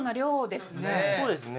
そうですね。